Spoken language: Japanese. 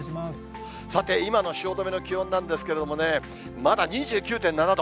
さて、今の汐留の気温なんですけれどもね、まだ２９．７度。